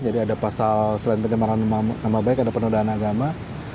jadi ada pasal selain pencemaran nama baik ada penodaan agama